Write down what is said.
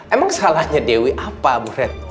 emang salahnya dewi apa bu ret